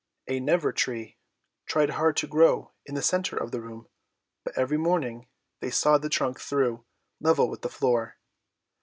A Never tree tried hard to grow in the centre of the room, but every morning they sawed the trunk through, level with the floor.